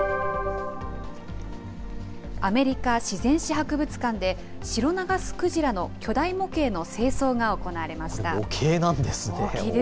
アメリカ自然史博物館でシロナガスクジラの巨大模型の清掃が模型なんですね。